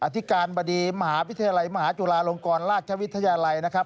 ธิการบดีมหาวิทยาลัยมหาจุฬาลงกรราชวิทยาลัยนะครับ